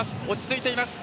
落ち着いている。